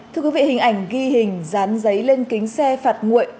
thưa quý vị hình ảnh ghi hình dán giấy lên kính xe phạt nguội